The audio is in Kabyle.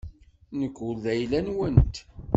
Nekk ur d ayla-nwent.